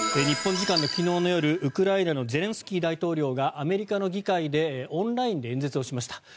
日本時間の昨日夜、ウクライナのゼレンスキー大統領がアメリカの議会でオンラインで演説をしました。